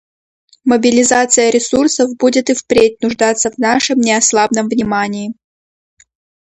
Мобилизация ресурсов будет и впредь нуждаться в нашем неослабном внимании.